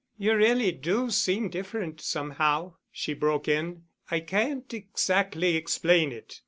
"You really do seem different, somehow," she broke in. "I can't exactly explain it.